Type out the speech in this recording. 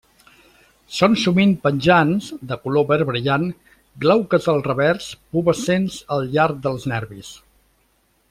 Són sovint penjants, de color verd brillant, glauques al revers, pubescents al llarg dels nervis.